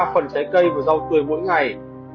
ba phần trái cây và rau tươi mỗi ngày